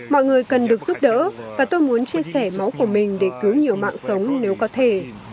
mọi người cần được giúp đỡ và tôi muốn chia sẻ máu của mình để cứu nhiều mạng sống nếu có thể